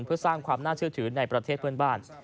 เพื่อสร้างความน่าเชื่อถือในประเทศเพื่อนบ้าน